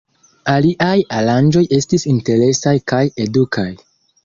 Aliaj aranĝoj estis interesaj kaj edukaj.